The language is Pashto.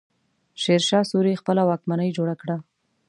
شېرشاه سوري خپله واکمني جوړه کړه.